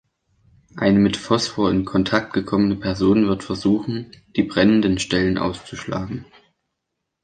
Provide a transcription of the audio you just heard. Eine mit Phosphor in Kontakt gekommene Person wird versuchen, die brennenden Stellen auszuschlagen.